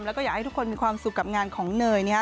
แล้วก็อยากให้ทุกคนมีความสุขกับงานของเนยนะฮะ